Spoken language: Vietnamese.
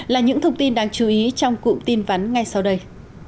là những thông tin đáng chú ý trong cụm tin vắn ngay sau đây